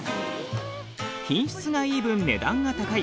品質がいい分値段が高い。